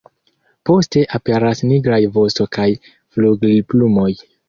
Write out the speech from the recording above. Poste aperas nigraj vosto kaj flugilplumoj.